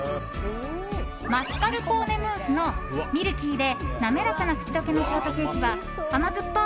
マスカルポーネムースのミルキーで滑らかな口どけのショートケーキは甘酢っぱい